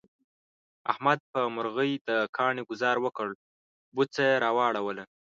احمد په مرغی د کاڼي گذار وکړ، بوڅه یې را وړوله.